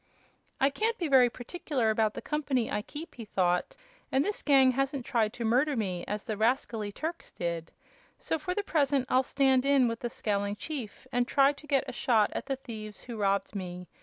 "I can't be very particular about the company I keep," he thought, "and this gang hasn't tried to murder me, as the rascally Turks did. So for the present I'll stand in with the scowling chief and try to get a shot at the thieves who robbed me.